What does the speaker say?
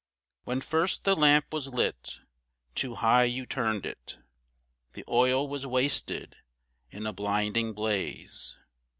When first the lamp was lit, too high you turned it; The oil was wasted in a blinding blaze.